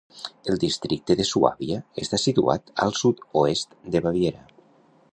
El districte de Suàbia està situat al sud-oest de Baviera.